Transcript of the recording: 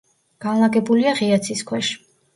განლაგებულია ღია ცის ქვეშ.